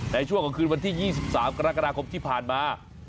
ในช่วงของคืนวันที่๒๓กรกฎาคมที่ผ่านมา